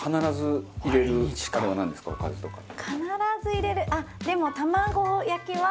必ず入れるあっでも。